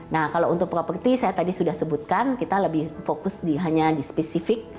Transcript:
nah kalau untuk properti saya tadi sudah sebutkan kita lebih fokus hanya di spesifik